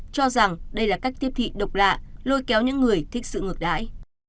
cho rằng đây là cách tiếp thị độc lạ lôi kéo những người thích sự ngược đãi